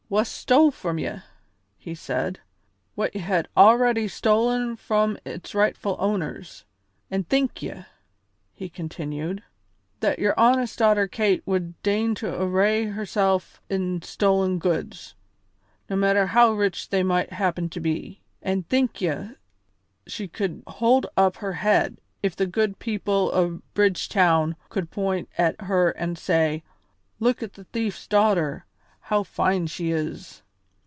"Wha stole from ye," he said, "what ye had already stolen from its rightful owners. An' think ye," he continued, "that your honest daughter Kate would deign to array hersel' in stolen goods, no matter how rich they might happen to be! An' think ye she could hold up her head if the good people o' Bridgetown could point at her an' say, 'Look at the thief's daughter; how fine she is!'